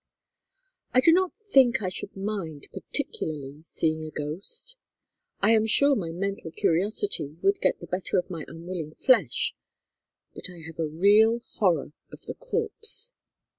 "I do not think I should mind, particularly, seeing a ghost; I am sure my mental curiosity would get the better of my unwilling flesh; but I have a real horror of the corpse.